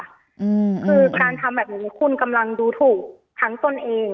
คือการทำแบบนี้คุณกำลังดูถูกทั้งตนเอง